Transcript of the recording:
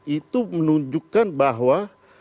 itu menunjukkan bahwa